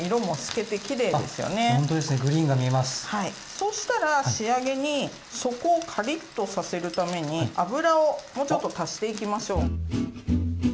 そしたら仕上げに底をカリッとさせるために油をもうちょっと足していきましょう。